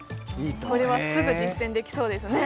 これはすぐ実践できそうですね